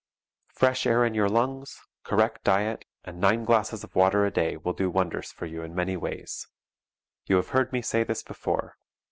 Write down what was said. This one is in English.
Fresh air in your lungs, correct diet, and nine glasses of water a day will do wonders for you in many ways. You have heard me say this before.